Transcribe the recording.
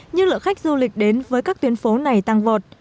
nhưng lượng khách du lịch đến với các tuyến phố này tăng vọt